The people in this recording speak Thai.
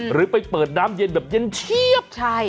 หรือไปเปิดน้ำเย็นแบบเย็นเชียบ